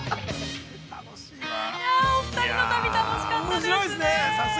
◆お二人の旅、楽しかったですね。